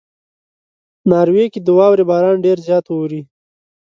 ناروې کې د واورې باران ډېر زیات اوري.